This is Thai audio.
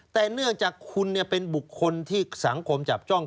แต่เนื่องจากคุณเป็นบุคคลที่สังคมจับจ้อง